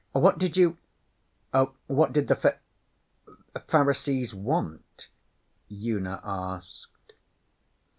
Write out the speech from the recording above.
'What did you what did the fai Pharisees want?' Una asked.